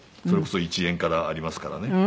それこそ１円からありますからね。